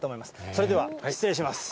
それでは失礼します。